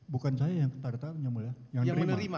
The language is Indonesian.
bukan saya yang tanda tangan